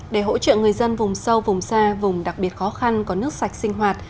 để hỗ trợ người dân vùng sâu vùng xa vùng đặc biệt khó khăn có nước sạch sinh hoạt